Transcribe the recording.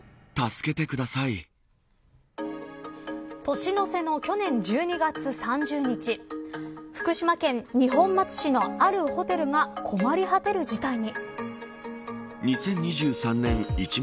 年の瀬の去年、１２月３０日福島県二本松市のあるホテルが困り果てる事態に。